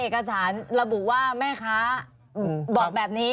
เอกสารระบุว่าแม่ค้าบอกแบบนี้